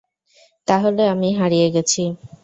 তাহলে আমি হারিয়ে গেছি।